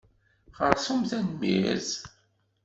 Xeṛṣum tanemmirt.